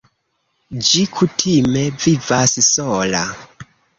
Ĝi kutime vivas sola.